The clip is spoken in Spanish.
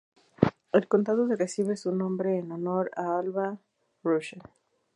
El condado recibe su nombre en honor a Alva P. Russell.